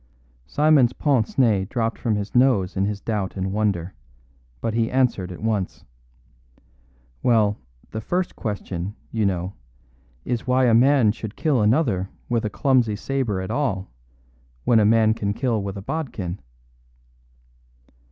Simon's pince nez dropped from his nose in his doubt and wonder, but he answered at once. "Well, the first question, you know, is why a man should kill another with a clumsy sabre at all when a man can kill with a bodkin?"